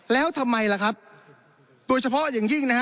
แล้วทำไมล่ะครับโดยเฉพาะอย่างยิ่งนะฮะ